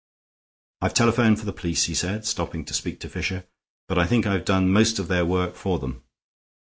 "I've telephoned for the police," he said, stopping to speak to Fisher, "but I think I've done most of their work for them.